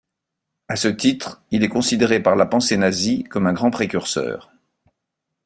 A ce titre, il est considéré par la pensée nazie comme un grand précurseur.